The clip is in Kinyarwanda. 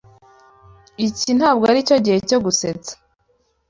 Iki ntabwo aricyo gihe cyo gusetsa.